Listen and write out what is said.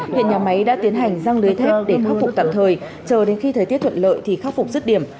hiện nhà máy đã tiến hành răng lưới thép để khắc phục tạm thời chờ đến khi thời tiết thuận lợi thì khắc phục rứt điểm